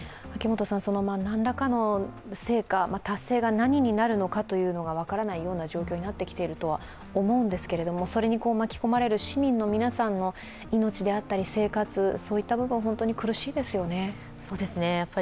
何らかの成果、達成が何になるのかというのが分からない状況になってきているとは思うんですがそれに巻き込まれる市民の皆さんの命であったり生活、そういった部分、本当に苦しいですよね。